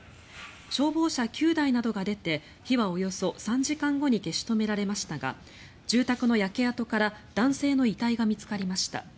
消防車９台などが出て火はおよそ３時間後に消し止められましたが住宅の焼け跡から男性の遺体が見つかりました。